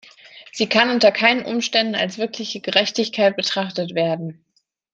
Sie kann unter keinen Umständen als wirkliche Gerechtigkeit betrachtet werden.